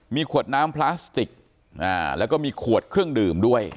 มีขวดน้ำพลาสติกแล้วก็มีขวดเครื่องดื่มด้วย